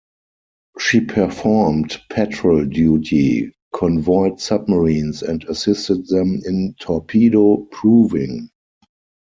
She performed patrol duty, convoyed submarines and assisted them in torpedo proving.